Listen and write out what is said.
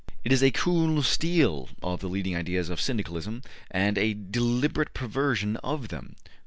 It is a `cool steal' of the leading ideas of Syndicalism and a deliberate perversion of them.